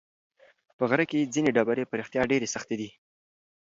په غره کې ځینې ډبرې په رښتیا ډېرې سختې دي.